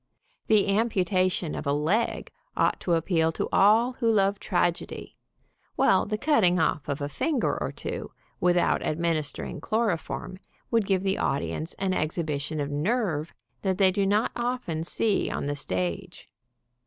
The amputation of a leg ought to appeal to all who love tragedy, while the cutting off of a finger or two, without ad ministering chloroform would give the audience an exhibition of nerve that they do not often see on the stage.